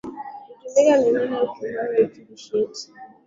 Hutumika kutengeneza chipsi viazi karai tambi chaulo na visheti